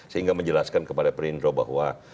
sehingga menjelaskan kepada perindro bahwa